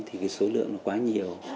thì số lượng quá nhiều